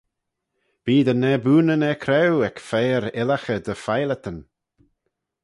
Bee dty naboonyn er-creau ec feiyr yllaghey dty philotyn.